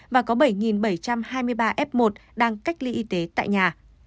và có bảy bảy trăm hai mươi ba f một đang cách ly y tế tại nhà